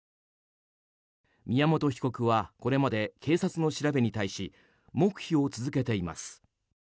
宮本被告はこれまで警察の調べに対し黙秘を続けています。